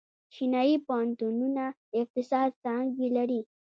چینايي پوهنتونونه د اقتصاد څانګې لري.